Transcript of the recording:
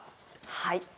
はい。